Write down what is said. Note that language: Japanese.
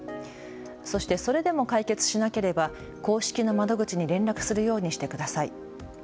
そして、それでも解決しなければ公式の窓口に連絡するようにしてください。